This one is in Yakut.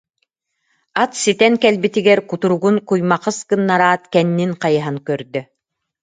Ат ситэн кэл- битигэр кутуругун куймахыс гыннараат кэннин хайыһан көрдө